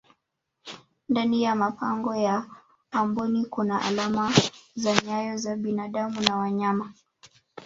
ndani ya mapango ya amboni Kuna alama za nyayo za binadamu na wanyama